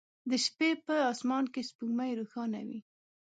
د شپې په اسمان کې سپوږمۍ روښانه وي